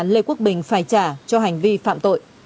lê quốc bình phải trả cho hành vi phạm tội